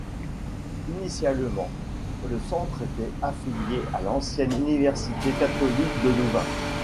Initialement, le centre était affilié à l’ancienne université catholique de Louvain.